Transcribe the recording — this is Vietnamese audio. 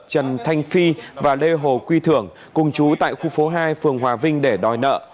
trần thanh phi và lê hồ quy thưởng cùng chú tại khu phố hai phường hòa vinh để đòi nợ